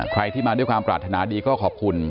ใครที่มาด้วยความปรารถนาดีก็ขอบคุณ